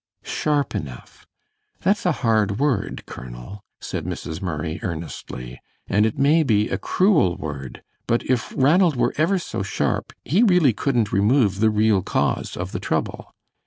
"Sharp enough! that's a hard word, Colonel," said Mrs. Murray, earnestly, "and it may be a cruel word, but if Ranald were ever so sharp he really couldn't remove the real cause of the trouble.